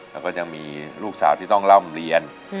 แล้วก็ยังมีลูกสาวที่ต้องร่ำเรียน